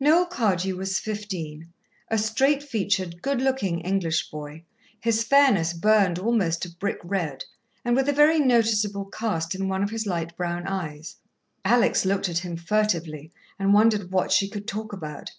Noel Cardew was fifteen, a straight featured, good looking English boy, his fairness burned almost to brick red, and with a very noticeable cast in one of his light brown eyes. Alex looked at him furtively, and wondered what she could talk about.